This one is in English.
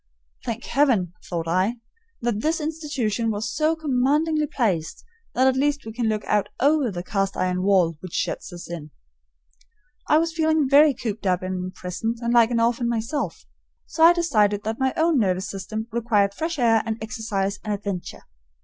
"Thank Heaven!" thought I, "that this institution was so commandingly placed that at least we can look out over the cast iron wall which shuts us in." I was feeling very cooped up and imprisoned and like an orphan myself; so I decided that my own nervous system required fresh air and exercise and adventure.